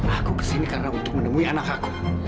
aku kesini karena untuk menemui anak aku